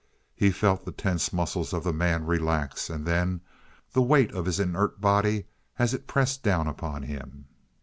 He felt the tense muscles of the man relax, and then the weight of his inert body as it pressed down upon him.